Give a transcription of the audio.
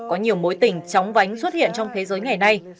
có nhiều mối tình chóng vánh xuất hiện trong thế giới ngày nay